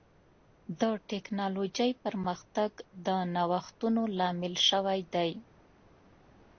د ټکنالوجۍ پرمختګ د نوښتونو لامل شوی دی.